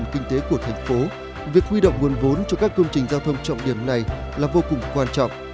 việc huy động nguồn vốn cho các công trình giao thông trọng điểm này là vô cùng quan trọng